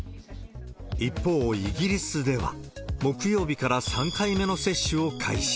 一方、イギリスでは、木曜日から３回目の接種を開始。